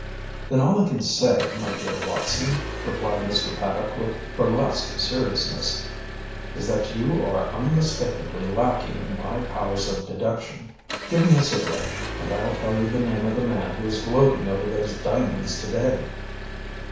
"Then all I can say, my dear Watson," replied Mr. Paddock with burlesque seriousness, "is that you are unmistakably lacking in my powers of deduction. Give me a cigarette, and I'll tell you the name of the man who is gloating over those diamonds to day."